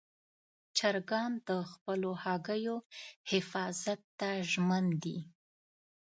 چرګان د خپلو هګیو حفاظت ته ژمن دي.